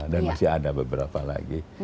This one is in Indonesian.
dan masih ada beberapa lagi